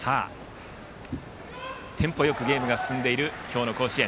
テンポよくゲームが進んでいる今日の甲子園。